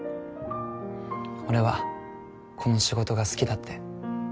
俺はこの仕事が好きだって。